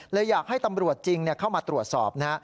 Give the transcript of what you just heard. เลยอยากให้ตำรวจจริงเข้ามาตรวจสอบนะฮะ